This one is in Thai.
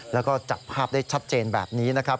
แล้วก็จับภาพได้ชัดเจนแบบนี้นะครับ